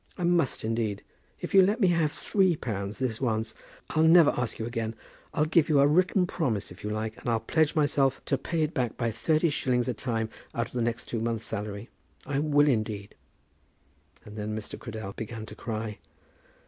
I must, indeed. If you'll let me have three pounds this once, I'll never ask you again. I'll give you a written promise if you like, and I'll pledge myself to pay it back by thirty shillings a time out of the two next months' salary. I will, indeed." And then Mr. Cradell began to cry.